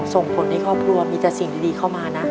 ส่งผลให้ครอบครัวมีแต่สิ่งดีเข้ามานะ